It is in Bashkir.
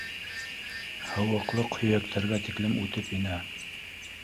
Һыуыҡлыҡ һөйәктәргә тиклем үтеп инә.